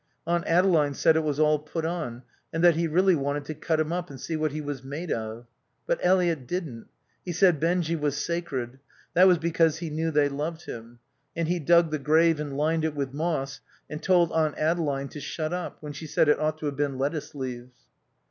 Aunt Adeline said it was all put on and that he really wanted to cut him up and see what he was made of. But Eliot didn't. He said Benjy was sacred. That was because he knew they loved him. And he dug the grave and lined it with moss and told Aunt Adeline to shut up when she said it ought to have been lettuce leaves.